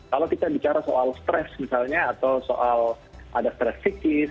kalau kita bicara soal stres misalnya atau soal ada stres psikis